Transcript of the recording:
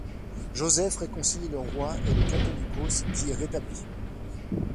Joseph réconcilie le roi et le Catholicos, qui est rétabli.